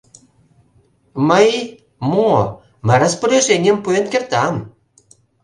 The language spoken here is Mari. Мый... мо... мый распоряженийым пуэн кертам...